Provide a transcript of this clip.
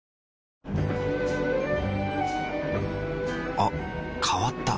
あ変わった。